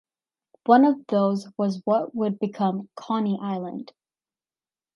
One of those was what would become "Coney Island".